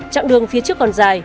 chọn đường phía trước còn dài